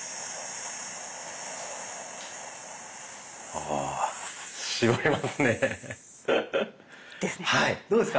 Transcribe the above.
ああ絞りますね。ですね。